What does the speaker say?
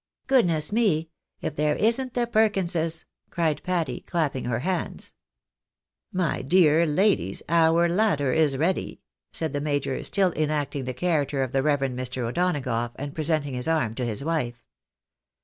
" Goodness me ! If there isn't the Perkinses !" cried Patty, clapping her hands. " My dear ladies our ladder is ready," said the major, stiU enacting the character of the Eev. Mr. O'Donagough, and pre senting his arm to his wife.